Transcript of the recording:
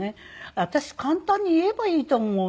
私簡単に言えばいいと思うの。